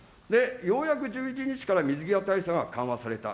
ようやく１１日から水際対策が緩和された。